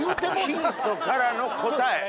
ヒントからの答え。